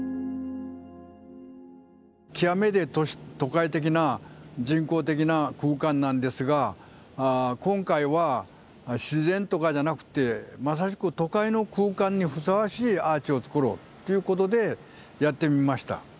極めて都会的な人工的な空間なんですが今回は自然とかじゃなくてまさしく都会の空間にふさわしいアーチを作ろうということでやってみました。